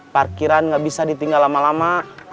parkiran gak bisa ditinggal lama lama